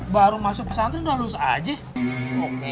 baru masuk pesantren udah lulus aja